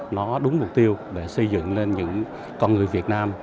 nó đúng mục tiêu để xây dựng lên những con người việt nam